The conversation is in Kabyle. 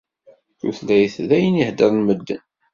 Tutlayt d ayen i heddṛen medden.